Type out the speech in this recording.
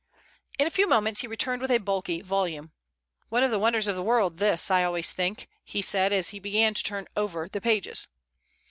In a few moments he returned with a bulky volume. "One of the wonders of the world, this, I always think," he said, as he began to turn over the pages.